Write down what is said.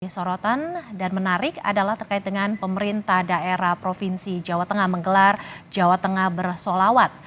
sorotan dan menarik adalah terkait dengan pemerintah daerah provinsi jawa tengah menggelar jawa tengah bersolawat